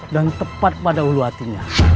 dan tepat pada ulu hatinya